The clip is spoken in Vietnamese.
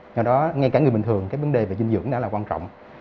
do đó ngay cả người bình thường cái vấn đề về dinh dưỡng đã là quan trọng